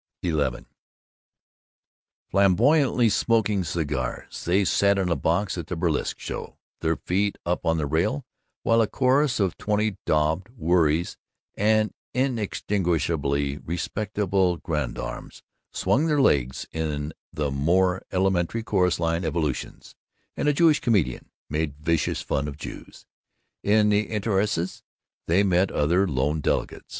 XI Flamboyantly smoking cigars they sat in a box at the burlesque show, their feet up on the rail, while a chorus of twenty daubed, worried, and inextinguishably respectable grandams swung their legs in the more elementary chorus evolutions, and a Jewish comedian made vicious fun of Jews. In the entr'actes they met other lone delegates.